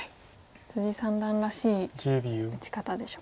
三段らしい打ち方でしょうか。